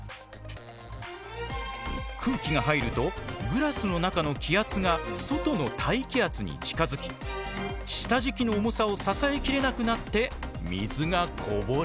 空気が入るとグラスの中の気圧が外の大気圧に近づき下じきの重さを支えきれなくなって水がこぼれるのだ。